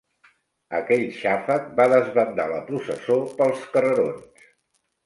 Aquell xàfec va desbandar la processó pels carrerons.